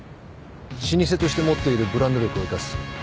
老舗として持っているブランド力を生かす。